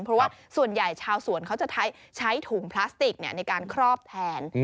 เพราะว่าส่วนใหญ่ชาวสวนเขาจะใช้ถุงพลาสติกในการครอบแทน